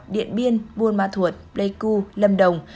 điện biên buôn ma thuột lê cưu lâm đồng